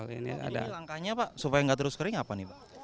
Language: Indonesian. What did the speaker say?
ada langkahnya pak supaya nggak terus kering apa nih pak